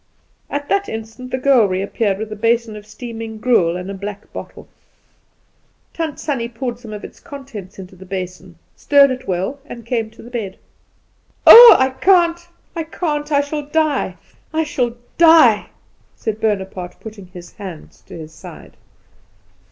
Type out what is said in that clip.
At that instant the girl reappeared with a basin of steaming gruel and a black bottle. Tant Sannie poured some of its contents into the basin, stirred it well, and came to the bed. "Oh, I can't, I can't! I shall die! I shall die!" said Bonaparte, putting his hands to his side.